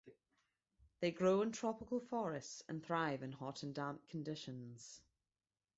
They grow in tropical forests and thrive in hot and damp conditions.